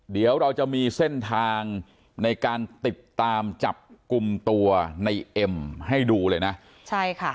เดี๋ยวเราจะมีเส้นทางในการติดตามจับกลุ่มตัวในเอ็มให้ดูเลยนะใช่ค่ะ